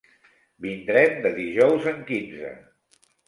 Vindrem de dijous en quinze.